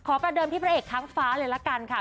ประเดิมที่พระเอกทั้งฟ้าเลยละกันค่ะ